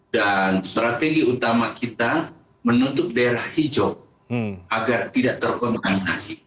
dan strategi utama kita menutup daerah hijau agar tidak terkomprominasi